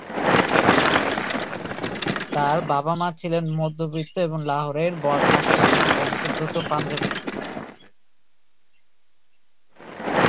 তার বাবা-মা ছিলেন মধ্যবিত্ত এবং লাহোরের কাশ্মীরি বংশোদ্ভূত পাঞ্জাবি।